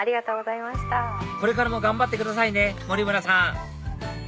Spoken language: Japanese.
これからも頑張ってくださいね森村さん！